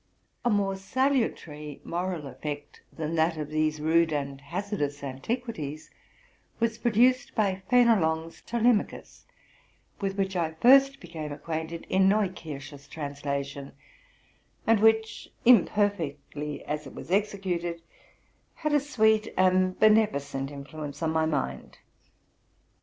A more salutary moral effect than that of these rude and hazardous antiquities was produced by Fénelon's '' 'Telema chus,'' with which I first became acquainted in Neukirch's translation, and which, imperfectly as it was executed, had a sweet and beneficent influence on my mind.